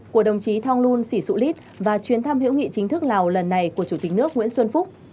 của đồng chí thong lun sĩ sụ lít và chuyến thăm hữu nghị chính thức lào lần này của chủ tịch nước nguyễn xuân phúc